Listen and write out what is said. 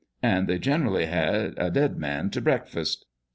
And they generally had " a dead man to breakfast."